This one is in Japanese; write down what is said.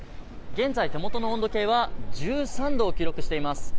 現在、手元の温度計は１３度を記録しています。